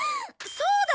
そうだ！